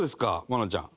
愛菜ちゃん。